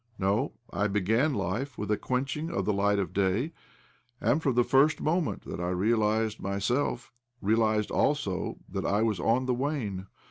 No, I began (life with a quenching of the light of day, and, from the first moment that I realized myself, realized also that I was on the wane.